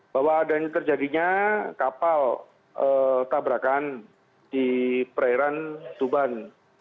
bahwa adanya terjadinya kapal tabrakan di perairan tuban